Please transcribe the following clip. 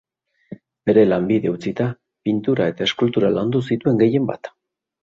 Bere lanbidea utzita, pintura eta eskultura landu zituen gehienbat.